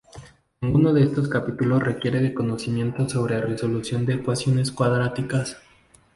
Ninguno de estos capítulos requiere de conocimientos sobre resolución de ecuaciones cuadráticas.